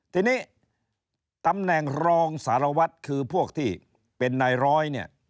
ทีนี้ตำแหน่งรองสารวัตรคือพวกที่เป็นนายร้อยเนี่ย